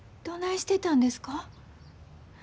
どないしてたんですか？